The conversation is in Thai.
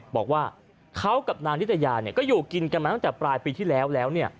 บอกว่าเขากับนางนิตยาก็อยู่กินกันมาตั้งแต่ปลายปีที่แล้ว